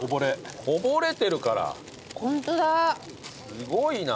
すごいな。